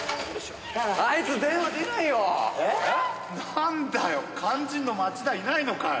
なんだよ肝心の町田いないのかよ。